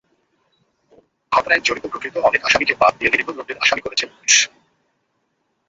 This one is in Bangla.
ঘটনায় জড়িত প্রকৃত অনেক আসামিকে বাদ দিয়ে নিরীহ লোকদের আসামি করেছে পুলিশ।